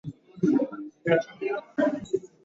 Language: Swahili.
kulikuwa na mtoto aliyeugua maradhi ya ndui